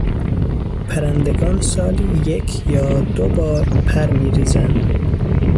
پرندگان سالی یک یا دو بار پر میریزند.